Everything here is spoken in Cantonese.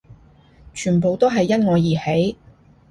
全部都係因我而起